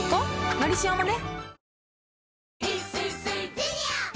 「のりしお」もね